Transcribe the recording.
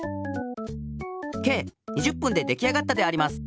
計２０ぷんでできあがったであります。